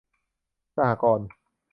สหกรณ์